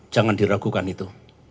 jangan diragukan untuk itu